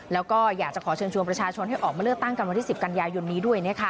แล้วก็อยากจะขอเชิญชวนประชาชนให้ออกมาเลือกตั้งกันวันที่๑๐กันยายนนี้ด้วย